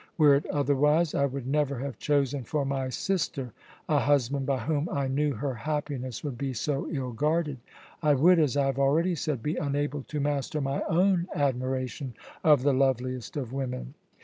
Were it otherwise, I would never have chosen for my sister a husband by whom I knew her happiness would be so ill guarded I would, as I have already said, be unable to master my own admiration of the loveliest of women.